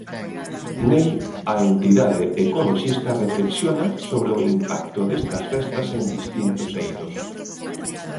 Nel a entidade ecoloxista reflexiona sobre o impacto destas festas en distintos eidos.